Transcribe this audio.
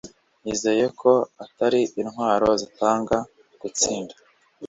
yizeye ko atari intwaro zitanga gutsinda